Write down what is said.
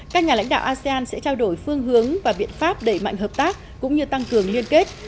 các nhà lãnh đạo asean sẽ trao đổi phương hướng và biện pháp đẩy mạnh hợp tác cũng như tăng cường liên kết